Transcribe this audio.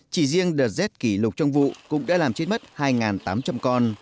chỉ riêng đợt rét kỷ lục trong vụ cũng đã làm chết mất hai tám trăm linh con